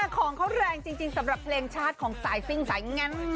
ของเขาแรงจริงสำหรับเพลงชาติของสายซิ่งสายแงน